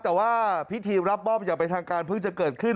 แต่ว่าพิธีรับมอบอย่างเป็นทางการเพิ่งจะเกิดขึ้น